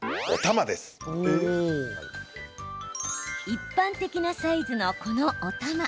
一般的なサイズの、このおたま。